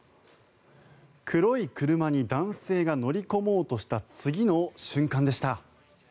黒い車に男性が乗り込もうとした次の瞬間でした。